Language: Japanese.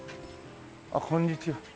あっこんにちは。